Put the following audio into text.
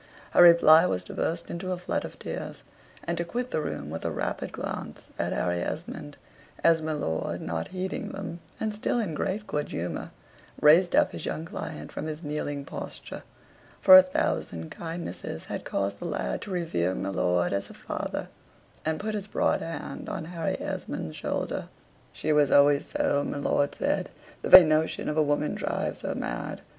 Her reply was to burst into a flood of tears, and to quit the room with a rapid glance at Harry Esmond, as my lord, not heeding them, and still in great good humor, raised up his young client from his kneeling posture (for a thousand kindnesses had caused the lad to revere my lord as a father), and put his broad hand on Harry Esmond's shoulder. "She was always so," my lord said; "the very notion of a woman drives her mad.